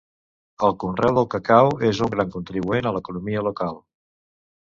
El conreu del cacau és un gran contribuent a l'economia local.